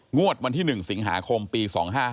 งวดวันที่๑สิงหาคมปี๒๕๕๙